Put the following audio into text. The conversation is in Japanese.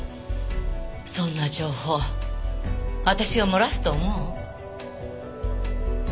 そんな情報私が漏らすと思う？